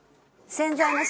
洗剤なし？